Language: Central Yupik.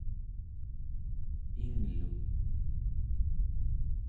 inglu